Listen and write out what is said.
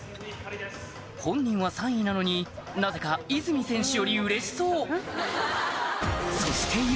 本人は３位なのになぜか泉選手よりうれしそうそして